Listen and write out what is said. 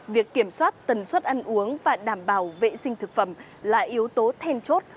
việc kiểm soát tần suất ăn uống và đảm bảo vệ sinh thực phẩm là yếu tố then chốt